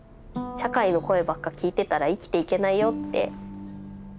「社会の声ばっか聞いてたら生きていけないよ」